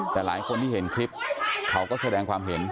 แต่หลายคนที่เห็นคลิปเขาก็แสดงความเห็น